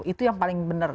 itu yang paling benar